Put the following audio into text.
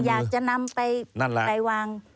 อยากจะนำไปวาง